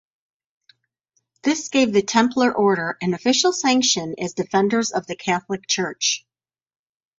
This gave the Templar Order an official sanction as defenders of the Catholic Church.